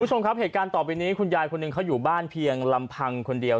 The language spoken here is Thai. ส่วนครับเหตุการณ์ต่อไปนี้คุณยายเขาอยู่บ้านเพียงลำพังคนเดียว